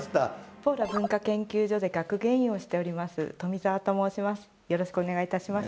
ポーラ文化研究所で学芸員をしております富澤と申します。